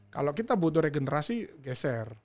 kalau kita butuh regenerasi geser